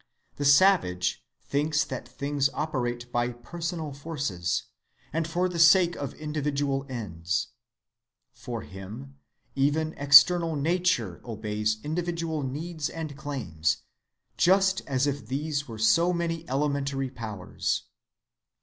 The savage thinks that things operate by personal forces, and for the sake of individual ends. For him, even external nature obeys individual needs and claims, just as if these were so many elementary powers.